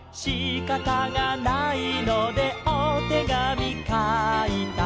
「しかたがないのでおてがみかいた」